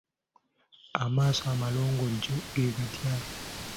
Amaaso amalongojje ge gatya?